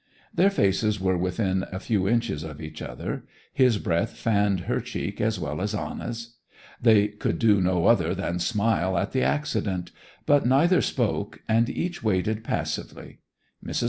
Their faces were within a few inches of each other, his breath fanned her cheek as well as Anna's. They could do no other than smile at the accident; but neither spoke, and each waited passively. Mrs.